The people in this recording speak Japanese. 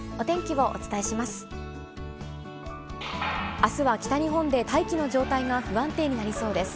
あすは北日本で大気の状態が不安定になりそうです。